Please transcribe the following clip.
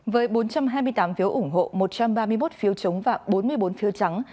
với bốn trăm hai mươi tám phiếu ủng hộ một trăm ba mươi một phiếu chống và bốn mươi bốn phiếu trắng